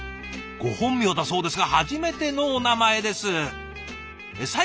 ご本名だそうですが初めてのお名前です。